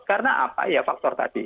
apa faktor tadi